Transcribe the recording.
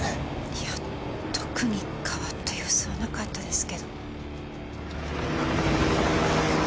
いや特に変わった様子はなかったですけど。